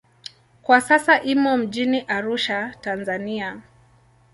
Kwa sasa imo mjini Arusha, Tanzania.